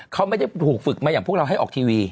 เขาไม่ได้ถูกฝึกมาอย่างพวกเราให้ออกทีวี